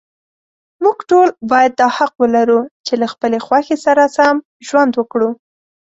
موږ ټول باید دا حق ولرو، چې له خپلې خوښې سره سم ژوند وکړو.